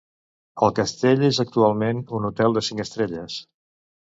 El castell és actualment un hotel de cinc estrelles.